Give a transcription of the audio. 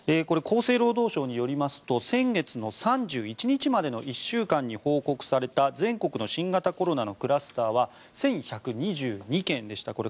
厚生労働省によりますと先月３１日にまでの１週間に報告された全国の新型コロナのクラスターは１１２２件でした。